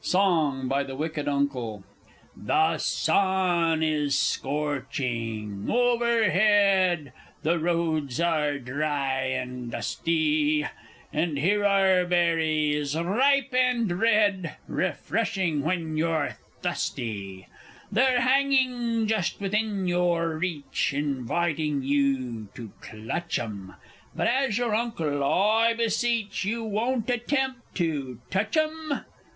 _ Song, by the Wicked Uncle. The sun is scorching overhead; The roads are dry and dusty; And here are berries, ripe and red, Refreshing when you're thusty! They're hanging just within your reach, Inviting you to clutch them! But as your Uncle I beseech You won't attempt to touch them?